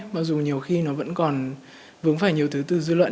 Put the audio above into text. mặc dù nhiều khi nó vẫn còn vướng phải nhiều thứ từ dư luận